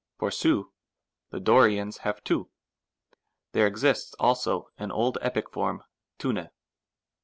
For 6Vy the Dorians have rv ; there exists also an old epic form rvvt.